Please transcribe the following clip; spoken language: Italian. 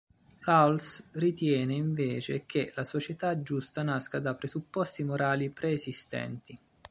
Rawls ritiene invece che la società giusta nasca da presupposti morali preesistenti.